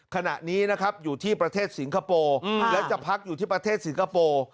ขณะนี้นะครับอยู่ที่ประเทศสิงคโปร์แล้วจะพักอยู่ที่ประเทศสิงคโปร์